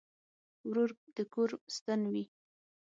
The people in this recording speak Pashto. ورور د کور ستن وي.